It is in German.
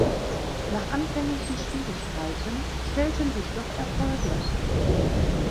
Nach anfänglichen Schwierigkeiten stellten sich doch Erfolge ein.